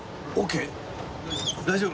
大丈夫？